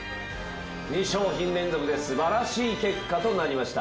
２商品連続で素晴らしい結果となりました。